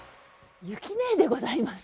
ゆきねえでございます。